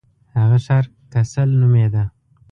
هغه ښار کسل نومیده.